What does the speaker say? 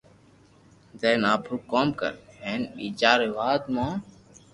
جائين آپرو ڪوم ڪر ھين ٻيجا رو وات مون